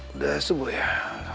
udah subuh ya